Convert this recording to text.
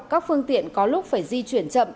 các phương tiện có lúc phải di chuyển chậm